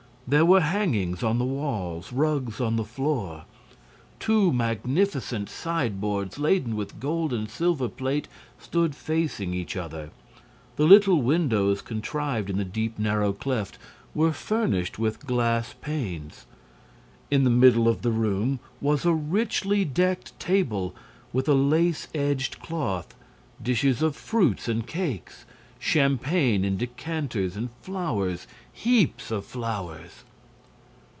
There were hangings on the walls, rugs on the floor. Two magnificent sideboards, laden with gold and silver plate, stood facing each other. The little windows contrived in the deep, narrow cleft were furnished with glass panes. In the middle of the room was a richly decked table, with a lace edged cloth, dishes of fruits and cakes, champagne in decanters and flowers, heaps of flowers.